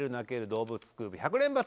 動物スクープ１００連発」